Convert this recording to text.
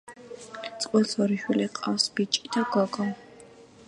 წყვილს ორი შვილი ჰყავთ: ბიჭი და გოგო.